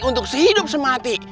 untuk sehidup semati